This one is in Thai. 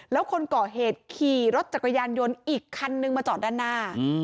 แล้วคนก่อเหตุขี่รถจักรยานยนต์อีกคันนึงมาจอดด้านหน้า